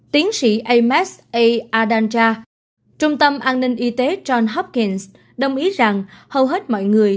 tiến sĩ amos a adanja trung tâm an ninh y tế john hopkins đồng ý rằng hầu hết mọi người